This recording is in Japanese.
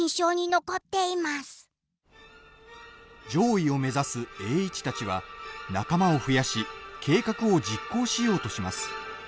攘夷を目指す栄一たちは、仲間を増やし計画を実行しようとします。